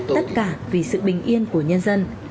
tất cả vì sự bình yên của nhân dân